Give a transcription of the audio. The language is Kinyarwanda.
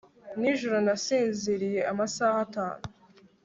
nijoro nasinziriye amasaha atanu